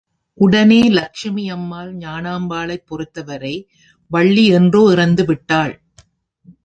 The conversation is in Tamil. உடனே லட்சுமி அம்மாள், ஞானாம்பாளைப் பொருத்தவரை வள்ளி என்றோ இறந்து விட்டாள்.